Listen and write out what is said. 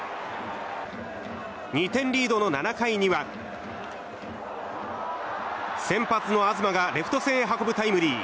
２点リードの７回には先発の東がレフト線へ運ぶタイムリー。